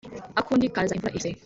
Akundi kaza imvura ihise